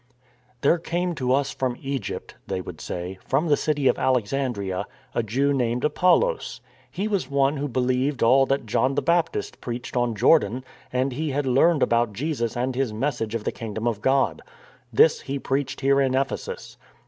" There came to us from Egypt," they would say, " from the city of Alexandria, a Jew named Apollos. He was one who believed all that John the Baptist preached on Jordan, and he had learned about Jesus and His message of the Kingdom of God. This he preached here in Ephesus.